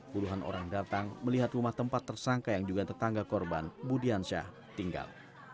puluhan orang datang melihat rumah tempat tersangka yang juga tetangga korban budiansyah tinggal